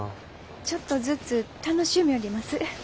ちょっとずつ楽しみょうります。